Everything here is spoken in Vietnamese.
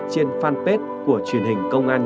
trên fanpage của truyền hình công an